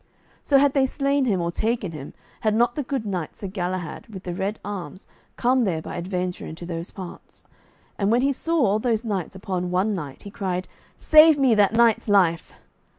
So had they slain him or taken him, had not the good knight Sir Galahad, with the red arms, come there by adventure into those parts. And when he saw all those knights upon one knight, he cried, "Save me that knight's life."